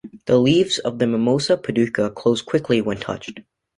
The leaves of the Mimosa pudica close quickly when touched.